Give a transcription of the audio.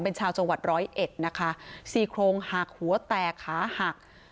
เป็นชาวจังหวัดร้อยเอ็ดนะคะสี่โครงหักหัวแตกขาหัก